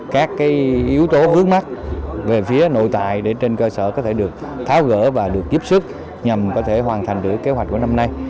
các yếu tố vướng mắt về phía nội tại để trên cơ sở có thể được tháo gỡ và được giúp sức nhằm có thể hoàn thành được kế hoạch của năm nay